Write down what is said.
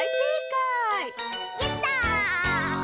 やった！